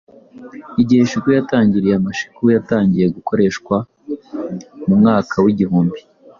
Igihe shiku yatangiriye Amashiku yatangiye gukoreshwa mu mwaka wigihumbi